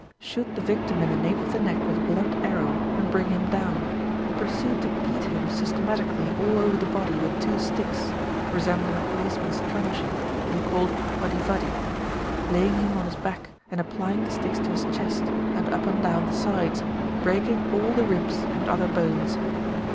Shoot the victim in the nape of the neck with a blunt arrow, and bring him down. Proceed to beat him systematically all over the body with two sticks (resembling a policeman's truncheon, and called odivaddi), laying him on his back and applying the sticks to his chest, and up and down the sides, breaking all the ribs and other bones.